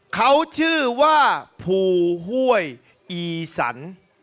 เขาชื่อว่าภูห้วยอีสัน